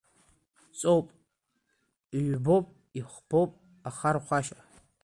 Ҵоуп, иҩбоуп, ихԥоуп ахархәашьа.